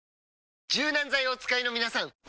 柔軟剤をお使いのみなさん！